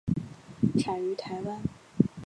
产于台湾。